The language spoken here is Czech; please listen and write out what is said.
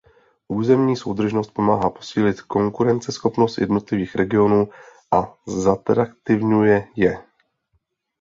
Územní soudržnost pomáhá posílit konkurenceschopnost jednotlivých regionů a zatraktivňuje je.